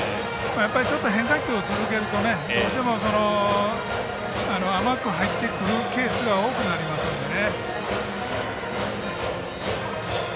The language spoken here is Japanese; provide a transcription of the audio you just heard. ちょっと変化球を続けるとどうしても甘く入ってくるケースが多くなりますんでね。